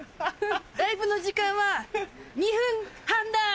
ライブの時間は２分半だ。